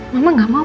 mama gak mau